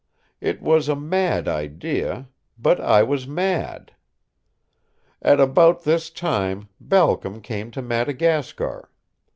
It was a mad idea but I was mad. "At about this time Balcom came to Madagascar.